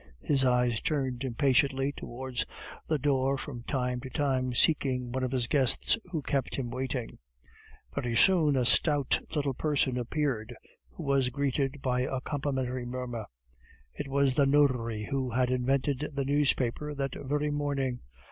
His eyes turned impatiently towards the door from time to time, seeking one of his guests who kept him waiting. Very soon a stout little person appeared, who was greeted by a complimentary murmur; it was the notary who had invented the newspaper that very morning.